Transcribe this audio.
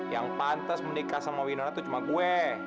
yang pantas menikah sama winona itu cuma gue